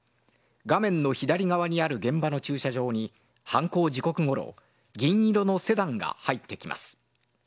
画面の左側にある現場の駐車場に犯行時刻ごろ銀色のセダンが入ってきます。